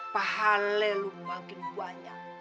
pahale lu makin banyak